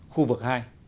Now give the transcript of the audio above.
khu vực hai